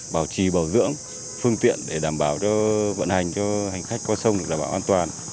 bảo trì bảo dưỡng phương tiện để đảm bảo cho vận hành cho hành khách qua sông được đảm bảo an toàn